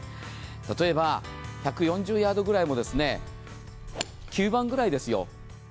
例えば１４０ヤードくらいも９番ぐらいですよ。